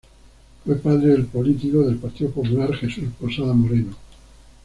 Fue padre del político del Partido Popular Jesús Posada Moreno.